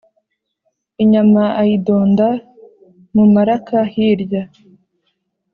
Inyama ayidonda mu maraka hirya,